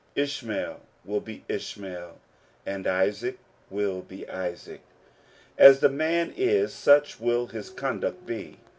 Ishmael will be Ishmael, and Isaac will be Isaac. As the man is, such will his conduct be.